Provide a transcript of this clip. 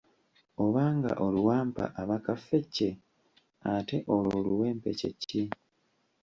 Obanga oluwampa aba kaffecce, ate olwo oluwempe kye ki?